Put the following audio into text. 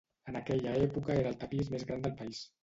En aquella època era el tapís més gran del país.